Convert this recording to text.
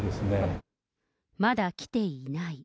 まだ来ていない。